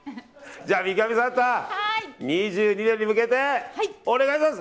じゃあ三上サンタ２２年に向けてお願いします！